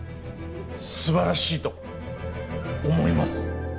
すばらしいと思います。